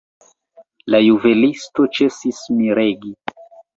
La juvelisto ĉesis miregi.